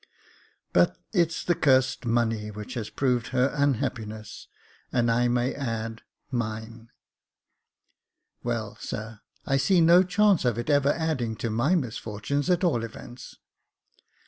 286 Jacob Faithful But it's that cursed money which has proved her unhappi ness — and, I may add, mine." "Well, sir, I see no chance of its ever adding to my misfortunes, at all events."